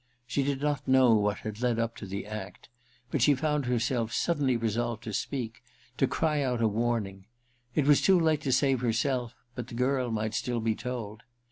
She did not know what had led up to the act ; but she found herself suddenly resolved to speak, to cry out a warning. It was too late to save herself — but the girl might still be told.